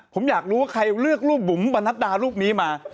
ผมอยากรู้ว่าใครเลือกรูปบุ๋มพาณธรรมีมา